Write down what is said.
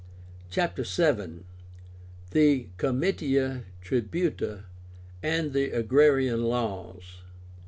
CHAPTER VII. THE COMITIA TRIBUTA AND THE AGRARIAN LAWS.